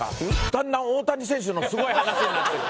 だんだん大谷選手のすごい話になってる。